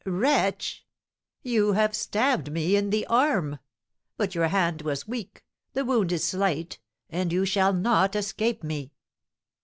"Wretch! You have stabbed me in the arm. But your hand was weak the wound is slight and you shall not escape me."